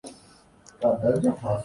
قدرت کتنی خوب صورت ہے